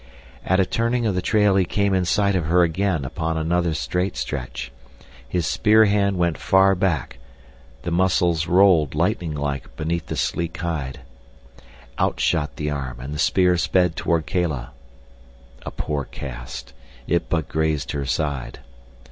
At a turning of the trail he came in sight of her again upon another straight stretch. His spear hand went far back, the muscles rolled, lightning like, beneath the sleek hide. Out shot the arm, and the spear sped toward Kala. A poor cast. It but grazed her side.